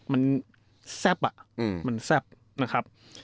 มันแซ่บอ่ะมันแซ่บนะครับ